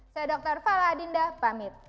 saya dr fala adinda pamit